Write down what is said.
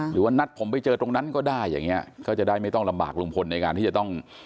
หรือว่านัดผมไปเจอตรงนั้นก็ได้อย่างเงี้ยก็จะได้ไม่ต้องลำบากลุงพลในการที่จะต้อง